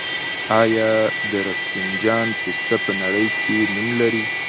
آیا د رفسنجان پسته په نړۍ کې نوم نلري؟